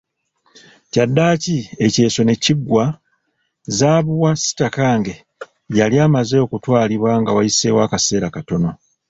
Kyaddaaki ekyeso ne kiggwa, zaabu wa Sitakange yali amaze okutwalibwa nga wayise akaseera katono